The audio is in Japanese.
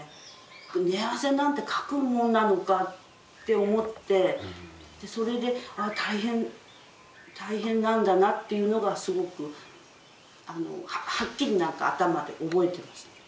寝汗なんてかくもんなのかって思ってそれで大変なんだなっていうのがすごくはっきりなんか頭で覚えてますね。